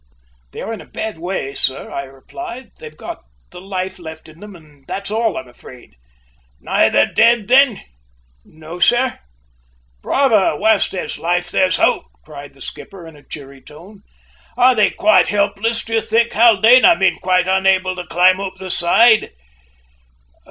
"They are in a bad way, sir," I replied. "They've got the life left in them and that's all, I'm afraid!" "Neither dead, then?" "No, sir." "Bravo! `whilst there's life there's hope,'" cried the skipper in a cheery tone. "Are they quite helpless, do you think, Haldane I mean quite unable to climb up the side?"